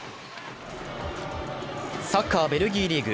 サッカー・ベルギーリーグ。